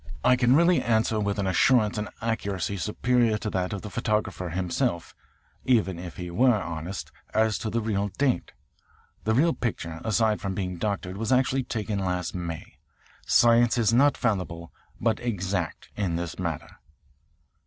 I can really answer, with an assurance and accuracy superior to that of the photographer himself even if he were honest as to the real date. The real picture, aside from being doctored, was actually taken last May. Science is not fallible, but exact in this matter."